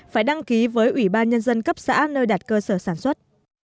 phải đăng ký với ủy ban nhân dân cấp xã nơi đặt cơ sở sản xuất